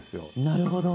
なるほど。